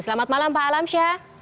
selamat malam pak alamsyah